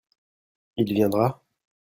Il viendra ?